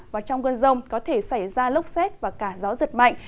và trong cơn rông có thể xảy ra lốc xét và cả gió giật mạnh